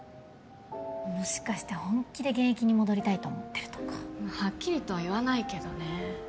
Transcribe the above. もしかして本気で現役に戻りたいと思ってるとかはっきりとは言わないけどね